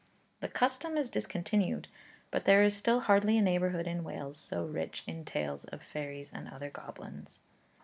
The custom is discontinued; but there is still hardly a neighbourhood in Wales so rich in tales of fairies and other goblins.